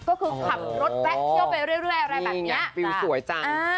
ก็คือขับรถแวะเที่ยวไปเรื่อยอะไรแบบเนี้ยมีเนี้ยสวยจังอ่า